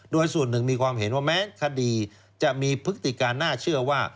โดยส่วนหนึ่งมีความเห็นว่าแม้คดีจะมีพฤติการน่าเชื่อว่า